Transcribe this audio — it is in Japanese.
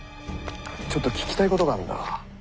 ちょっと聞きたいことがあるんだが。